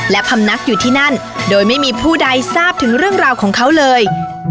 และพำนักอยู่ที่นั่นโดยไม่มีผู้ใดทราบถึงเรื่องราวของเขาเลย